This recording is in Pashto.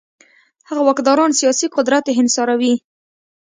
هغه واکداران سیاسي قدرت انحصاروي.